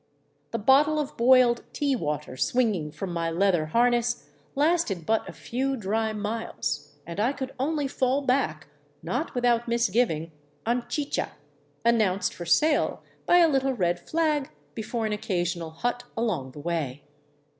The bottle of boiled " tea water " swinging from my leather harness lasted but a few dry miles, and I could only fall back, not without misgiving, on chicha, announced for sale by a little red flag before an oc casional hut along the way.